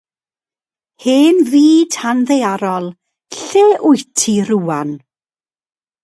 Hen Fyd Tanddaearol, Lle Wyt Ti Rŵan?